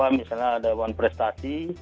misalnya ada wan prestasi